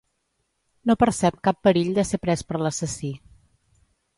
No percep cap perill de ser pres per l'assassí.